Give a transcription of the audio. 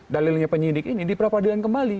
dalilnya penyidik ini diperapadilan kembali